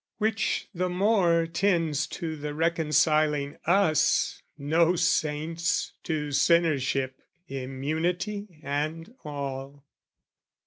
which the more Tends to the reconciling us, no saints, To sinnership, immunity and all.